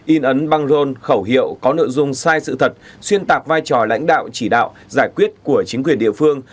in ấn băng rôn khẩu hiệu có nội dung sai sự thật xuyên tạc vai trò lãnh đạo chỉ đạo giải quyết của chính quyền địa phương